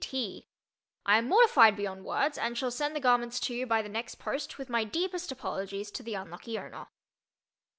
G. T. I am mortified beyond words and shall send the garments to you by the next post with my deepest apologies to the unlucky owner.